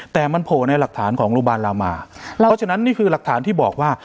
แต่มันโผล่ในหลักฐานของโรงพยาบาลรามาเพราะฉะนั้นนี่คือหลักฐานที่บอกว่า